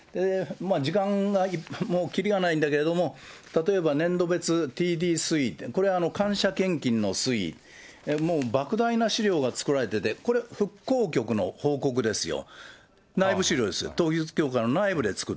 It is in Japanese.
時間がもうきりがないんだけれども、例えば年度別ＴＤ推移、これ感謝献金の、推移、もうばく大な資料が作られてて、これ、ふっこう局の報告ですよ。